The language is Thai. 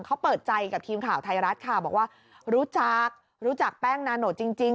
เขาเปิดใจกับทีมข่าวไทยรัฐค่ะบอกว่ารู้จักรู้จักแป้งนาโนตจริง